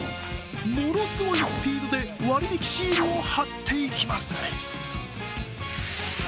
ものすごいスピードで割引シールを貼っていきます。